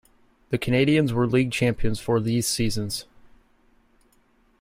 The Canadiens were league champions for these seasons.